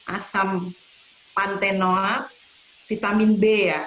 asam pantenoat vitamin b ya